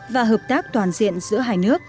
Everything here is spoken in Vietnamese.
và hợp tác toàn diện giữa hai nước